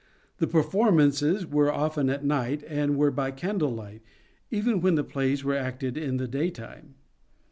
The performances were often at night, and were by candle light, even when the plays were acted in the daytime.